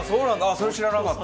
それ知らなかった。